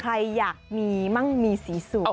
ใครอยากมีมั่งมีสีสวย